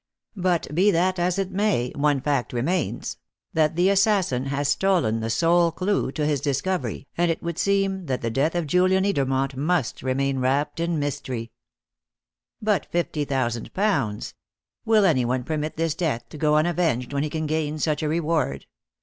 But be this as it may, one fact remains: that the assassin has stolen the sole clue to his discovery, and it would seem that the death of Julian Edermont must remain wrapped in mystery. "But fifty thousand pounds! Will anyone permit this death to go unavenged when he can gain such a reward?